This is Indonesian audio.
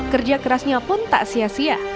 kerja kerasnya pun tak sia sia